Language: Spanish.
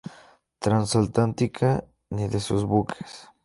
Transatlántica ni de sus buques.